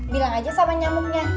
bilang aja sama nyamuknya